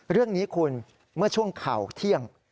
เรื่องนี้คุณเมื่อช่วงข่าวเที่ยง